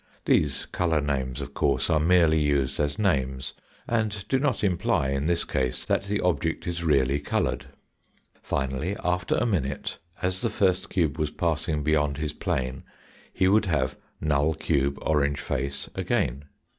These colour names, of course, are merely used as names, and do not imply in this case that the object is really coloured. Finally, after a minute, as the first cube was passing beyond his plane he would have null cube orange face again.